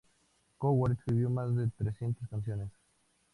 Coward escribió más de trescientas canciones.